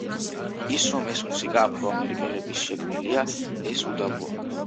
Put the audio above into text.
ის, რომ ეს მუსიკა აფროამერიკელების შექმნილია ეს უდავოა.